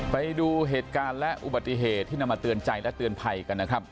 ไปดูเหตุการณ์และอุบัติเหตุที่นำมาเตือนใจและเตือนภัยกันนะครับ